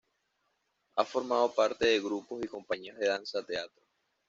Ha formado parte de grupos y compañías de Danza-Teatro.